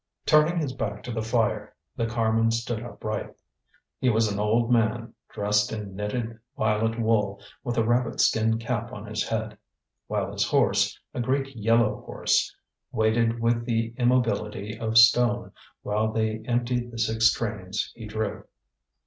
Turning his back to the fire, the carman stood upright. He was an old man, dressed in knitted violet wool with a rabbit skin cap on his head; while his horse, a great yellow horse, waited with the immobility of stone while they emptied the six trains he drew.